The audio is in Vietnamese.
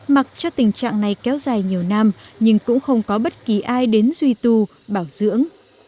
mặc cho tình trạng này kéo dài nhiều năm nhưng cũng không có bất kỳ ai đến duy tu bảo dưỡng